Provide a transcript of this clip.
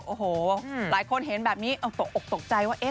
โอ้โหหหมหลายคนเห็นแบบนี้เอ๋อตกตกใจว่าเอ๊ะ